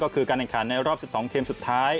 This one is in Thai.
ก็คือการแข่งขันในรอบ๑๒ทีมสุดท้าย